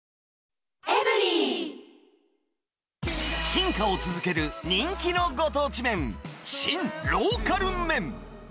進化を続ける人気のご当地麺、シン・ローカル麺。